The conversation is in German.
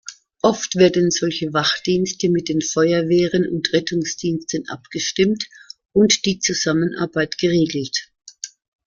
Oft werden solche Wachdienste mit den Feuerwehren und Rettungsdiensten abgestimmt und die Zusammenarbeit geregelt.